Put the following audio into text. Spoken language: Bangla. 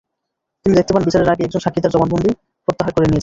তিনি দেখতে পান, বিচারের আগেই একজন সাক্ষী তাঁর জবানবন্দি প্রত্যাহার করে নিয়েছেন।